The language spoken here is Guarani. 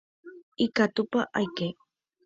Ikatúpa aike.